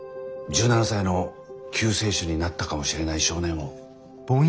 １７才の救世主になったかもしれない少年を。